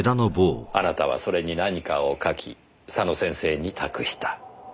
あなたはそれに何かを書き佐野先生に託した。